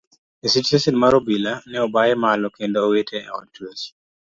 E sitesen mar obila ne obaye malo kendo owite e od twech.